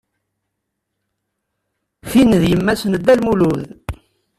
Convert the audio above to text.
Tin d yemma-s n Dda Lmulud.